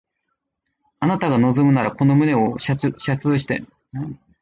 あなたが望むならこの胸を射通して